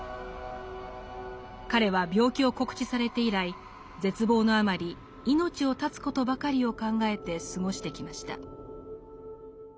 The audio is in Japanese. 彼は病気を告知されて以来絶望のあまり命を絶つことばかりを考えて過ごしてきました。